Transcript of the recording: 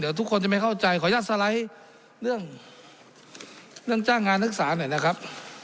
เดี๋ยวทุกคนจะไม่เข้าใจขออนุญาตสไลด์เรื่องจ้างงานนักศึกษาหน่อยนะครับ